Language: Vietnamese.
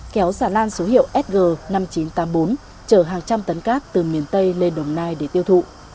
kéo xà lan số hiệu sg năm nghìn chín trăm tám mươi bốn chở hàng trăm tấn cát từ miền tây lên đồng nai để tiêu thụ